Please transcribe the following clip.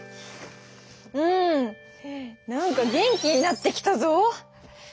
うん何か元気になってきたぞ！